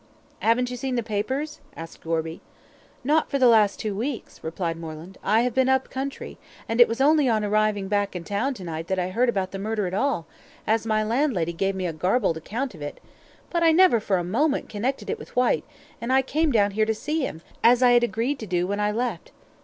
"Haven't you seen the papers?" asked Gorby. "Not for the last two weeks," replied Moreland. "I have been up country, and it was only on arriving back in town to night that I heard about the murder at all, as my landlady gave me a garbled account of it, but I never for a moment connected it with Whyte, and I came down here to see him, as I had agreed to do when I left.